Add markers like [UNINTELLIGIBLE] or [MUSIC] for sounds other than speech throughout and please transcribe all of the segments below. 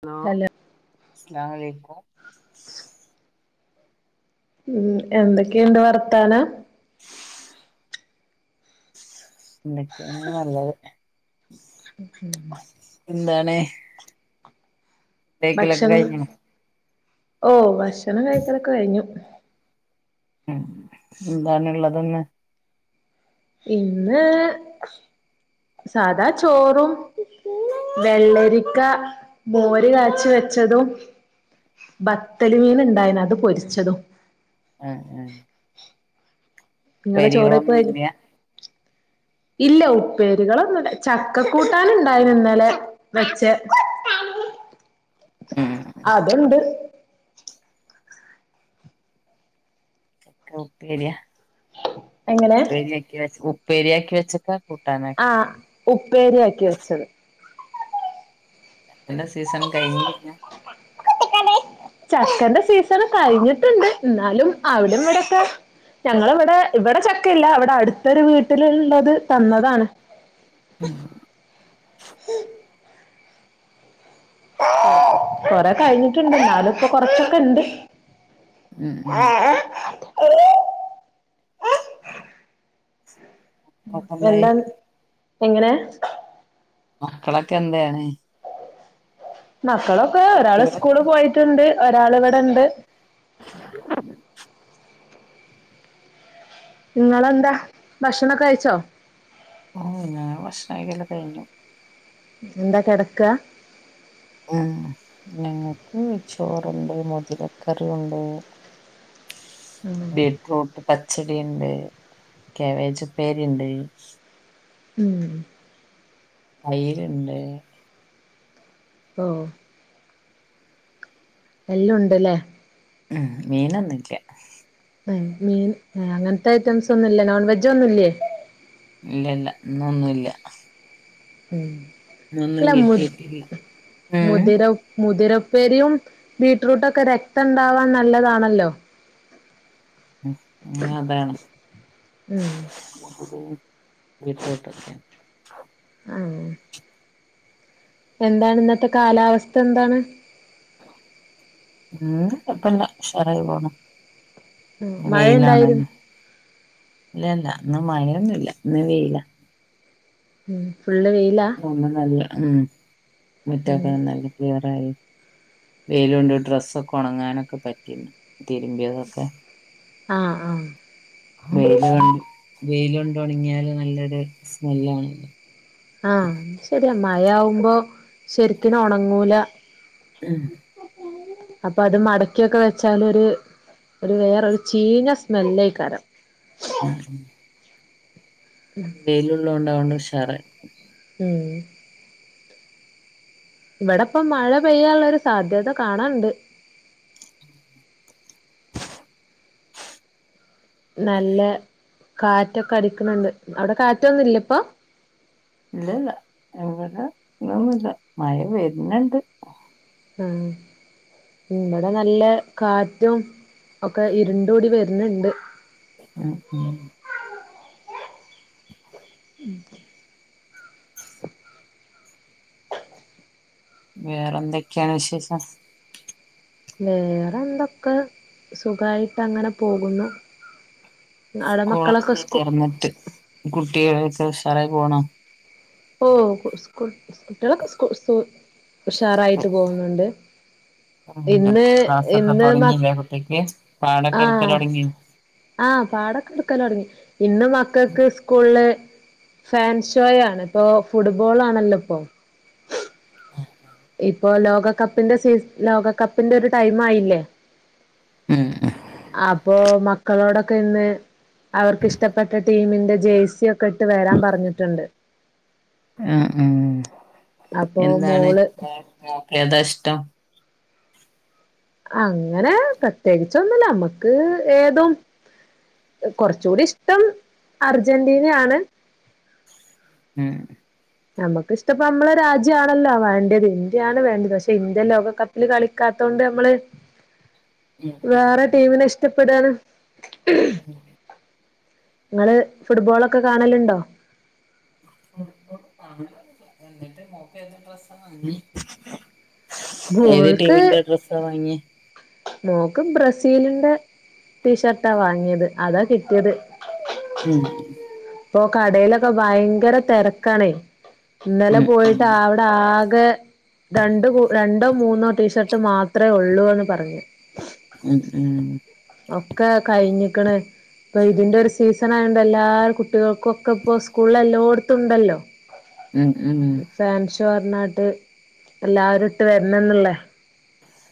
Hello അസ്ലാലാ മലയ്ക്കും ഉം എന്തൊക്കെയുണ്ട് വർത്താനം. എന്തൊക്കെയാണ്. നല്ലത് [UNINTELLIGIBLE] എന്താണ് തേക്കലൊക്കെ ഭക്ഷണം. കഴിഞ്ഞോ ഓ ഭക്ഷണം കഴിക്കലൊക്കെ കഴിഞ്ഞു. ഉം. എന്താണുള്ളതിന്ന്. ഇന്ന്, സാദാ ചോറും.. വെള്ളരിക്ക മോര് കാച്ചി വെച്ചതും ബക്കല് മീൻ ഉണ്ടായിനു. അത് പൊരിച്ചതും ആഹ് ആഹ് നിങ്ങളെ ഇപ്പേരി കളു ചോറയ്പ്പ് കഴിഞ്ഞോ ഒന്നുല്ല്യ. ഇല്ല ഉപ്പേരുകൾ ഒന്നുല്ല. ചക്കക്കൂട്ടാൻ ഉണ്ടായിനി. ഇന്നലെ വെച്ച [INAUDIBLE] ഉം അതുണ്ട് ഉപ്പേര്യ, എങ്ങനെ ഉപ്പേര്യയാക്കി, വെ ഉപ്പേരിയാക്കി വെച്ച ക്കാ ആഹ് ഉപ്പേരിയാക്കി വെച്ചത്. എന്റെ സീസൺ കഴിഞ്ഞില്ല ചക്കന്റെ സീസൺ കഴിഞ്ഞിട്ട്ണ്ട് ന്നാലും അവിട ഇവിടക്ക ഞങ്ങള ഇവിടെ ഇവിടെ ചക്കയില്ല അവിടെ അടുത്തൊരു വീട്ടിലുള്ളത് തന്നതാണ് ഉം കൊറെ കഴിഞ്ഞിട്ട്ണ്ട് ന്നാലും ഇപ്പ കൊറച്ചൊക്കെ ഇണ്ട് ഉം ഉം [INAUDIBLE] നോക്കണ്ടായി എന്താണ് എങ്ങനെ മക്കളൊക്കെ എന്തേണ് മക്കളൊക്കെ ഒരാള് കുട്ടികളൊക്കെ സ്കൂള് പോയിട്ട്ണ്ട് ഒരാള് ഇവടെണ്ട് [INAUDIBLE] ഇങ്ങളെന്താ ഭക്ഷണൊക്കെ കഴിച്ചോ ഓ ഞാ ഭക്ഷണ കയിക്കലോകെ കഴിഞ്ഞു എന്താ കെടക്ക ങ്ങാ ഞങ്ങക്ക് ചോറുണ്ട് മുതിരക്കറി ഉണ്ട് ബീ ഫ്രൂട്ട് പച്ചടി ഇണ്ട് കേവേജ് ഉപ്പേരി ഇണ്ട് ഉം തൈര്ണ്ട് ഓ എല്ലൊം ഉണ്ട്ല്ലേ ഉം മീനൊന്നുല്ല ഉം മീൻ അങ്ങനത്തെ ഐറ്റംസ് ഒന്നുല്ല നോൺ വെജ ഒന്നുല്ലേ ഇലല്ല ഇന്നൊന്നുല്ല ഉം ഇന്നൊന്നും ഇല്ല മുത് കിട്ടിയിട്ടില്ല ഉം മതിര ഉപ്പേ മുതിരപ്പേരിയും ബീട്രൂട്ടൊക്കെ രക്തണ്ടാവാൻ നല്ലതാണല്ലോ ഉം അതാണ് ഉം [UNINTELLIGIBLE] അങ്ങനെ എന്താണ് ഇന്നത്തെ കാലാവസ്ഥ എന്താണ് ഇന്ന് കുഴപ്പില്ലഷറായി പോണൂ ആഹ് വെയിലാണ് മഴയുണ്ടായിരുന്നു ഇല്ലല്ല ഇന്ന് മഴയൊന്നുല്ല ഇന്ന് വെയില്ല ഉം ഫുള്ള് വെയില അങനെല്ല ഉം മുറ്റൊക്കെ നല്ല ക്ലിയരായി വെയില് കൊണ്ട് ഡ്രസ്സൊക്കെ ഉണങ്ങാനൊക്കെ പറ്റിന്ന് തിരുമ്പിയതൊക്കെ ആഹ് ആഹ് വെയില് കണ്ട് വെയിലുണ്ട് ഉണങ്ങിയാല് നല്ലൊരു സ്മെല്ലാണ് ആഹ് ശരിയണ് മഴയാവുമ്പോ ശരിക്കും ഒണങ്ങൂല ഉം അപ്പൊ അത് മടക്കിയൊക്കെ വെച്ചാലൊര് ഒരു വേറെരു ചീന സ്മെല്ലായികാരം ഉം വൈലുള്ളൊണ്ട് ആവോണ്ട് ഉഷാറായി ഉം ഇബടെപ്പ മഴ പെയ്യാനുള്ള ഒരു സാധ്യത കാണാനുണ്ട് നല്ല കാറ്റൊക്കെ അടിക്കണണ്ട് അവിടെ കാറ്റൊന്നുല്ലെ ഇപ്പൊ ഇല്ലല്ല എങ്ങടെ ഇന്നൊന്നുല്ല മഴ വരുന്നുണ്ട് ആഹ് ഇബടെ നല്ല കാറ്റും ഒക്കെ ഇരുണ്ടൂടി വരുന്നുണ്ട് ഉം ഉം ഉം വേറൊന്തൊക്കെയാണ് വിശേഷം വേറെ എന്തൊക്കെ സുഖായിട്ട് അങ്ങനെ പോകുന്നു ഇന്നവിടെ മക്കളൊക്കെ സ്കൂ എന്നിട്ട് കുട്ടികളൊക്കെ ഉസാറായി പോണു ഓഹ് സ്കൂ സ്കൂ കുട്ടികളക്കെ സ്കു ഉഷാറായിട്ട് പോവുന്നുണ്ട് ഉം ക്ലാസ്സൊക്കെ തൊടങ്ങീല്ലെ കുട്ടിക്ക് പാടൊക്കെ എടുക്കല് ആഹ് തൊടങ്ങിയൊ ആഹ് പാടൊക്കെ എടുക്കല് തൊടങ്ങി ഇന്ന് മക്കക്ക് സ്കൂളില് ഫാൻ ഷോ ആണ് ഇപ്പൊ ഫുട്ബോൾ ആണല്ലൊ ഇപ്പൊ ഇപ്പോ ലോകകപ്പിന്റെ സീ ലോകകപ്പിന്റെ ഒരു ടൈംമായില്ലേ ഉം അപ്പൊ മക്കളോടൊക്കെ ഇന്ന് അവർക്കിഷ്ട്ടപ്പെട്ട ടീമിന്റെ ജെഴ്സി ഒക്കെ ഇട്ട് വരാൻ പറഞ്ഞിട്ടൊണ്ട് ഉം ഉം അപ്പൊ എന്താണ് മോള് ഏതാ ഇഷ്ടം അങ്ങനെ പ്രത്യേകിച്ചൊന്നുല്ല നമ്മക്ക് ഏതും കെറച്ചൂടി ഇഷ്ടം അർജന്റീനയാണ് ഉം നമക്കിഷ്ടിപ്പ നമ്മള രാജ്യാണല്ലോ വേണ്ടിത് ഇന്ത്യയാണ് വേണ്ടിത് പക്ഷെ ഇന്ത്യ ലോകക പ്പില് കളിക്കാത്തോണ്ട് നമ്മള് ഉം ഉം. വേറെ ടീമിനെ ഇഷ്ടപ്പെടേണ് ഇങ്ങള് ഫുട്ബോളൊക്കെ കാണലിണ്ടോ ഫുഡ്ബോള് കാണലില്ല എന്നിട്ട് മോക്കേത് ഡ്രസ്സ വാങ്ങ്യേ ഏത് മോൾക്ക് ടീമിന്റെ ഡ്രസ്സാ വാങ്ങ്യെ മോക്ക് ബ്രസീലിന്റെ ടീഷർട്ടാ വാങ്ങിയത് അതാ കിട്ടിയത് ഉം ഇപ്പൊ കടേലൊക്കെ ഭയങ്കര തെരക്കാണെ ഇന്നലെ ഉം ഉം പോയിട്ട് ആ ആകെ രണ്ട് രണ്ടോ മൂന്നോ ടീഷർട്ട് മാത്രമേ ഒള്ളുവെന്ന് പറഞ്ഞു ഉം ഉം ഒക്കെ കഴിഞ്ഞിക്കണ് ഇപ്പൊ ഇതിന്റെ ഒരു സീസൺ ആയോണ്ട് എല്ലാ കു ട്ട്യോക്കൊക്കിപ്പൊ സ്കൂളിൽ എല്ലോടുത്തുണ്ടല്ലോ ഉം ഉം ഫാൻഷോ പറഞ്ഞാട്ട് എല്ലാരും ഇട്ട് വരണന്നൊള്ളെ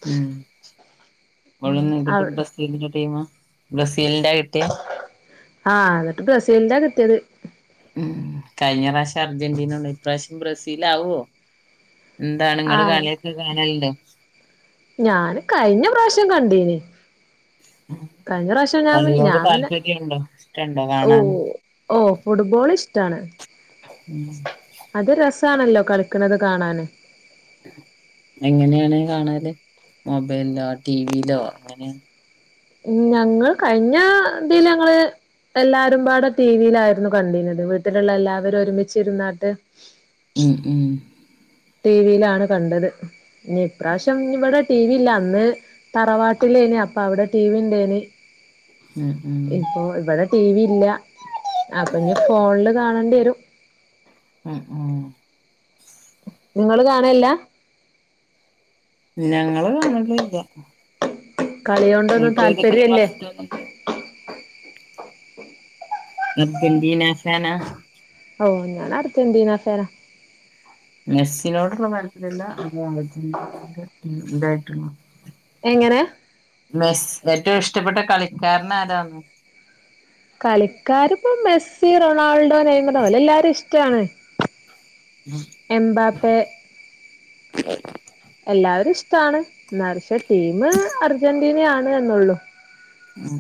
ഉം ഇവിടെന്നിട്ട് ബ്രസീലിന്റെ ടീമാ ബ്രസീലിന്റ കിട്ടിയേ ആഹ് എന്നിട്ട് ബ്രസീലിന്റ കിട്ടിയത് ഉം കഴിഞ്ഞ പ്രാവശ്യം അർജന്റീനൊണ്ടോയി ഇപ്രാവശ്യം ബ്രസീലാവോ എന്താണ് ഇങ്ങള് ആഹ് കളിയൊക്കെ കാണലിണ്ടോ ഞാന് കഴിഞ്ഞ പ്രാശം കണ്ടീന് ഉം കഴിഞ്ഞ പ്രാശം ഞാപ്പി ഞാപ്പിനെ ഇഷ്ടണ്ടോ ഓഹ് കാണാന് ഓഹ് ഫുട്ബോൾ ഇഷ് ടാണ് ഉം അത് രസാണല്ലോ കളിക്കണത് കാണാന് എങ്ങനെയാണ് കാണാല് മൊബൈലോ ടിവിലോ എങ്ങനെയാ ഞങ്ങൾ കഴിഞ്ഞ ഇതീലങ്ങള് എല്ലാരുംപാട ടി വിയിലാരുന്നു കണ്ടീനത് വീട്ടിലൊള്ള എല്ലാവരും ഒരുമിച്ചിരുന്നാട്ട് ഉം ഉം ടി വിലാണ് കണ്ടത് ഇനി ഇപ്രാവശ്യം ഇവടെ ടി വി ഇല്ല അന്ന് തറവാട്ടിലേനി അപ്പ അവിടെ ടി വി ഇണ്ടേനി ഉം ഉം ഇപ്പൊയിവിടെ ടി. വിയില്ല. അപ്പൊളിനി ഫോണിലു കാണേണ്ടി വരും. ഉം.. ഉം നിങ്ങള് കാണലില്ലാ ഞങ്ങള് കാണലില്ലാ കളിയൊടൊന്നും താല്പര്യല്ലേ [UNINTELLIGIBLE] അർജന്റീനാ ഫാനാ ഓഹ് ഞൻ അർജന്റീനാ ഫാനാ മെസ്സിനോടുള്ള താത്പര്യത്തിലല്ല നമ്മ അർജന്റീനയുടെ ഇതായിട്ടാണ് എങ്ങനെ മെസ് ഏറ്റവും ഇഷ്ടപ്പെട്ട കളിക്കാരനാരാന്ന് കളിക്കാരിപ്പോ മെസ്സി റൊണാൾഡോ നെയ്മറോ അതെല്ലാവരേയുമിഷ്ടമാണ് എമ്പാപ്പേ യെല്ലാവരേയുമിഷ്ടമാണ് എന്നാലും പക്ഷേ ടീമ്അർജന്റീനയാണെന്നേയുള്ളു ഉം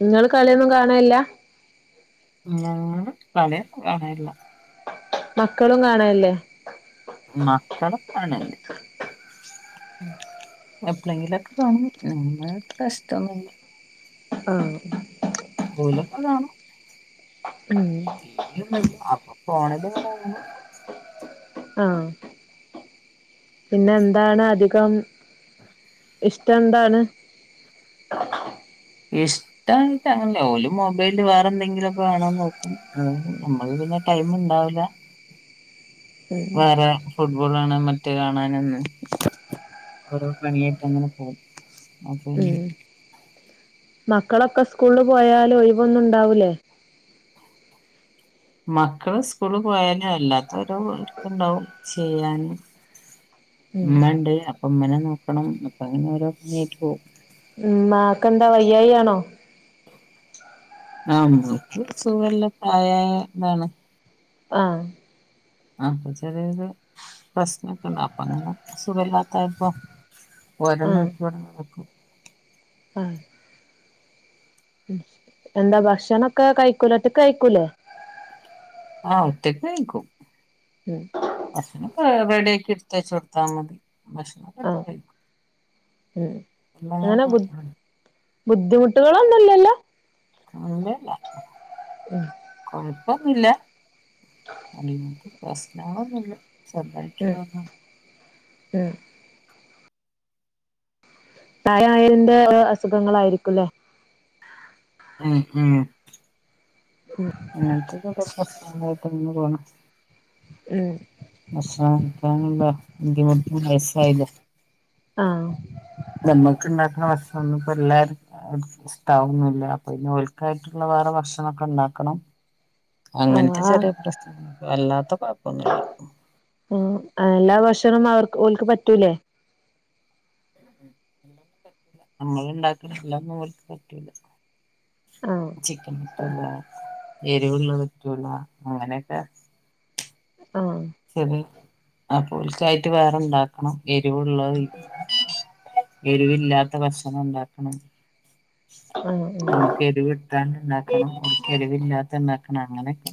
നിങ്ങളുകളിയൊന്നും കാണലില്ല ഞങ്ങള് കളികാണലില്ല മക്കളും കാണാറില്ലേ മക്കളുംകാണല്ണ്ട് ഉം എപ്പോളെങ്കിലുമൊക്കെ കാണും നമ്മ പ്രശ്നമൊന്നുമില്ല ആഹ് ഓലൊക്കെ കാണും ഉം ടി വി ഒന്നുല്ല ഫോണിലിങ്ങനെ കാണും ആഹ് പിന്നെയെന്താണധികം ഇഷ്ടമെന്താണ് ഇഷ് ടംമങ്ങനെ ഓലു മൊബൈലു വേറെയെനന്തെങ്കിലുമൊക്കെകാണാൻനോക്കും നമ്മളു പിന്നെ ടൈമുണ്ടാവില്ല വേറെ ഫുട്ബോൾ കാണാൻമറ്റു കാണാനെന്ന് ഓരോ പണിയായിട്ടങ്ങനെ പോകും അപ്പൊ പിന്നെ ഉം മക്കളൊക്കെ സ്കൂളിൽ പോയാലും ഒഴിവൊന്നുമുണ്ടാവൂലേ മക്കള് സ്കൂളില് പോയാല് അല്ലാത്തൊരോ വർക്ക് ഉണ്ടാവും ചെയ്യാന് ഉം ഉമ്മയുണ്ട് അപ്പൊ ഉമ്മേനെ നോക്കണം അപ്പമങ്ങനെയോരോ പണിയായിട്ടുപോകും ഉമ്മായ്ക്കെന്താ വയ്യായ്കയാണോ ആഹ് ഉമ്മാക്കു സുഖമില്ല പ്രായമായതാണ് ആഹ് അപ്പ ചെറിയയൊരു പ്രശ്നമൊക്കെയുണ്ട്അപ്പൊങ്ങനെ സുഖമില്ലാത്തതായപ്പോ ആഹ് ഓരെനോക്കി ഓരോന്നുവെക്കും ആഹ് എന്താ ഭക്ഷണമൊക്കെ കഴിക്കൂലെ ഒറ്റക്കു കയിക്കൂലേ ആഹ് ഒറ്റക്കുകയിക്കും ഉം ഭക്ഷണമൊക്കെ റെടിയാക്കി എടുത്തുവച്ച്കൊടുത്താൽമതി ഭക്ഷണം ഭക്ഷണം ഒക്കെ ആഹ് കഴിക്കും ഉം [INAUDIBLE] ബുദ്ധിമുട്ടുകളൊന്നുമില്ലല്ലോ ഒന്നുല്ല ഉം കൊഴപ്പമൊന്നുല്ല അങ്ങനത്തെ പ്രശ്നങ്ങളൊന്നുമില്ല ഉം ചെറുതാട്ടുള്ളതു ഉം പ്രായായതിന്റെ അസുഖങ്ങളായിരിക്കുലെ ഉം ഉം അങ്ങൻത്തെ പ്രശ്നങ്ങളായ്ട്ട് ഇങ്ങനെ പോണ് ഉം ഭക്ഷണം കഴ്ക്കാനുള്ള ബീദ്ധിമുട്ടും വയസ്സായിലെ ആഹ് ഞമ്മക്ക് ഇണ്ടാക്ക്ണ ഭഷ്ണം ഇപ്പ എല്ലാർക് ഇശ്താവൊന്നുല്ല അപ്പൊ പിന്നെ ഒൽക്കായിട്ട്ള്ള വേറെ ഭക്ഷണൊക്കെ ഇണ്ടാക്കണം ആഹ് അങ്ങൻത്തെ ചെറി പ്രശ്നങ്ങ അല്ലാത്ത കൊഴപ്പൊന്നുല്ല ആഹ് എല്ലാ ഭക്ഷണൊന്ന് അവർക്ക് ഓൽക്ക് പറ്റൂലെ ഞമ്മള് ഇണ്ടാക്ക്ണ എല്ലാ ഒന്നും ഓൽക്ക് പറ്റൂല്ല ആഹ് ചിക്കൻ പറ്റൂല. എര്വ്ള്ള പറ്റൂല അങ്ങനെയെക്കെ ആഹ് ശരി അപ്പോൽക്കായിറ്റ് വേറെണ്ടാക്കണം എരിവ്ള്ളതും ഇ എരിവില്ലാത്ത ഭക്ഷണം ഇണ്ടാക്കണം ആഹ് ഞമ്മക്ക് എരിവ്ട്ടാണ്ട് ഇണ്ടാക്കണം എരിവില്ലാത്ത ഇണ്ടാക്കണം അങ്ങനെയെക്കെ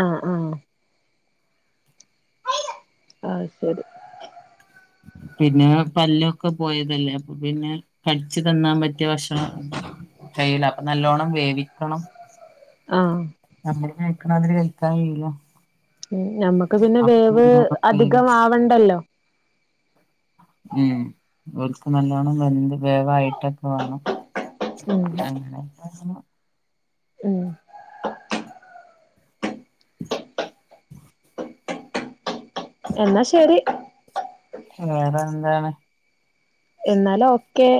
ആഹ് ആഹ് ആഹ് ശരി പിന്നെ പല്ലൊക്കെ പോയതല്ലെ അപ്പ പിന്നെ കടിച്ച് തിന്നാൻ പ റ്റിയ ഭക്ഷണം കയ്യുല അപ്പൊ നല്ലോണ്ണം വേവിക്കണം ആഹ് നമ്മള് കഴ്ക്ക്ണാതിരി കഴിക്കാൻ കയ്യൂല ഞമ്മക്ക് പിന്നെ വേവ് നല്ലോണം വേവിച്ച് അധികമാവണ്ടല്ലൊ ഉം ഒര്ക്ക് നല്ലോണം വെന്ത് വേവായ്ട്ടൊക്കെ വാണം ഉം [INAUDIBLE] ഉം എന്ന ശരി വേറെ എന്താണ് എന്നാല് ഓക്കെ